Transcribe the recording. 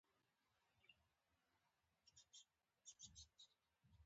عسکر په روسي ژبه وویل چې عبث وخت ضایع نه کړي